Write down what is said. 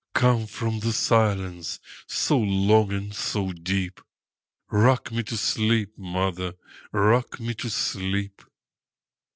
Come from the silence so long and so deep;—Rock me to sleep, mother,—rock me to sleep!